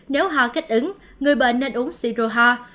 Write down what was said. nếu ho kích ứng người bệnh nên uống si rô ho